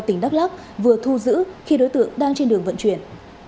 tỉnh đắk lắc vừa thu giữ khi đối tượng đang trên đường vận chuyển